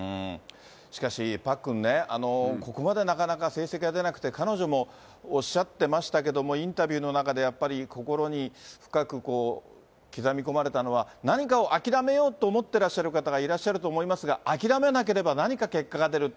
しかし、パックンね、ここまでなかなか成績が出なくて、彼女もおっしゃってましたけれども、インタビューの中でやっぱり心に深く刻み込まれたのは、何かをあきらめようと思ってらっしゃる方がいらっしゃると思いますが、諦めなければ何か結果が出る。